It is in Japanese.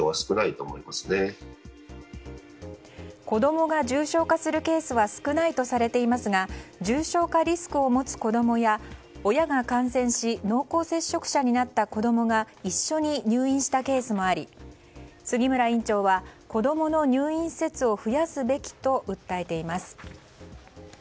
子供が重症化するケースは少ないとされていますが重症化リスクを持つ子供や親が感染し濃厚接触者になった子供が一緒に入院したケースもあり杉村院長は子供の入院施設を増やすべきと訴えています。